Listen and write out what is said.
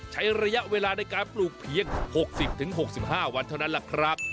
ใช้ระยะเวลาในการปลูกเพียง๖๐๖๕วันเท่านั้นล่ะครับ